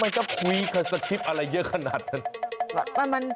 จะคุยกับสคริปต์อะไรเยอะขนาดนั้น